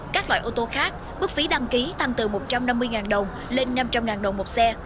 các loại ô tô khác mức phí đăng ký tăng từ một trăm năm mươi đồng lên năm trăm linh đồng một xe